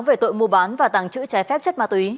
về tội mua bán và tàng trữ trái phép chất ma túy